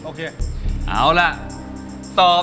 กิเลนพยองครับ